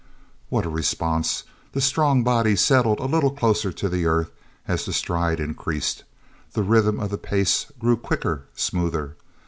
What a response! The strong body settled a little closer to the earth as the stride increased. The rhythm of the pace grew quicker, smoother.